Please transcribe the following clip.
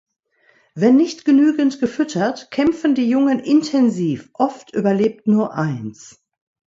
Wenn nicht genügend gefüttert kämpfen die Jungen intensiv, oft überlebt nur eins.